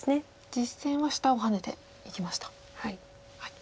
実戦は下をハネていきました。